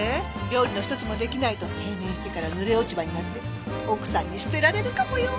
料理の一つも出来ないと定年してから濡れ落ち葉になって奥さんに捨てられるかもよ！